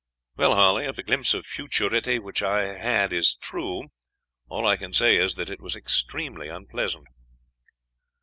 "'Well, Harley, if the glimpse of futurity which I had is true, all I can say is that it was extremely unpleasant.'